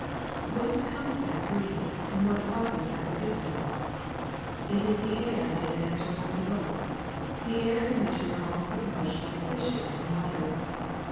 *^ Whence comes that breeze, and what causes that resistance? It is the air that is answerable for both, the air in which we are all submerged like fishes in water.